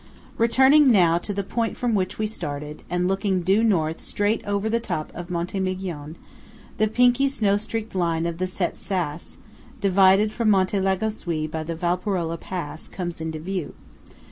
Returning now to the point from which we started, and looking due North straight over the top of Monte Migion, the pinky snow streaked line of the Sett Sass, divided from Monte Lagazuoi by the Valparola pass, comes into view.